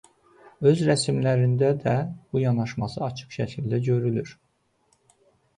Öz rəsmlərində də bu yanaşması açıq şəkildə görülür.